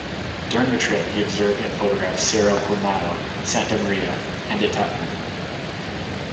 During the trip he observed and photographed Cerro Quemado, Santa Maria, and Atitlan.